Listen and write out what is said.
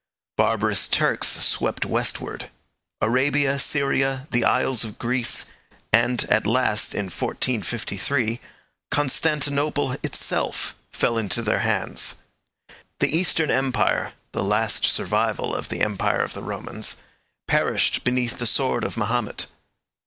Barbarous Turks swept westward. Arabia, Syria, the Isles of Greece, and, at last, in 1453, Constantinople itself, fell into their hands. The Eastern Empire, the last survival of the Empire of the Romans, perished beneath the sword of Mahomet.